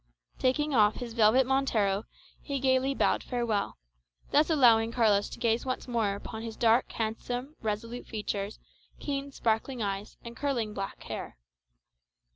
Taking off his velvet montero, he gaily bowed farewell; thus allowing Carlos to gaze once more upon his dark, handsome, resolute features, keen, sparkling eyes and curling black hair.